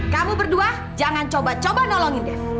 kamu berdua jangan coba coba nolongin deh